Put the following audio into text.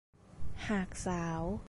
หากสาว